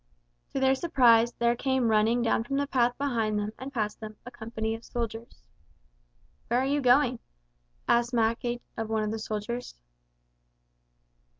To their surprise there came running down the path behind them and past them a company of soldiers. "Where are you going?" asked Mackay of one of the soldiers.